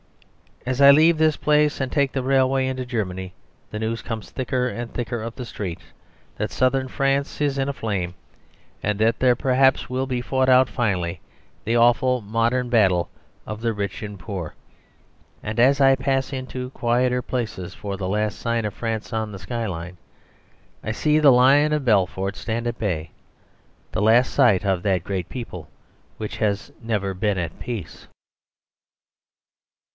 As I leave this place and take the railway into Germany the news comes thicker and thicker up the streets that Southern France is in a flame, and that there perhaps will be fought out finally the awful modern battle of the rich and poor. And as I pass into quieter places for the last sign of France on the sky line, I see the Lion of Belfort stand at bay, the last sight of that great people which has never been at peace.